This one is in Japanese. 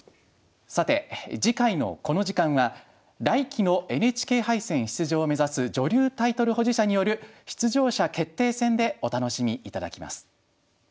さて次回のこの時間は来期のＮＨＫ杯戦出場を目指す女流タイトル保持者による出場者決定戦でお楽しみ頂きます。